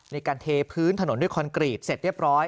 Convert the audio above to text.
ในการเทพื้นถนนด้วยคอนกรีตเสร็จเรียบร้อย